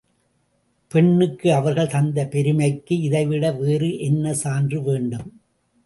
பெண்ணுக்கு அவர்கள் தந்த பெருமைக்கு இதைவிட வேறு என்ன சான்று வேண்டும்?